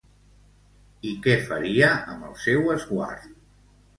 I què faria amb el seu esguard?